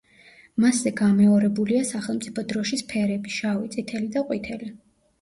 მასზე გამეორებულია სახელმწიფო დროშის ფერები: შავი, წითელი და ყვითელი.